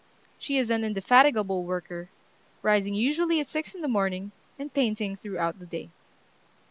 She is an indefatigable worker, rising usually at six in the morning, and painting throughout the day.